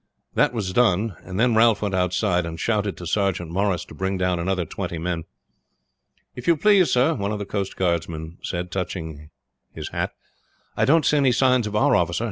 This was done; and then Ralph went outside, and shouted to Sergeant Morris to bring down another twenty men. "If you please, sir," one of the coast guard men said, touching his hat, "I don't see any signs of our officer.